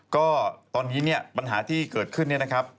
ก็ตอนนี้เนี่ยปัญหาที่เกิดขึ้นเนี่ยนะครับ